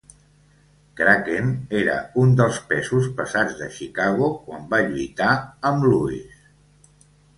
Kracken era un dels pesos pesats de Chicago quan va lluitar amb Louis.